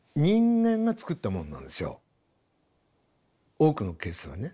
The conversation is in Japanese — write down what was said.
多くのケースはね。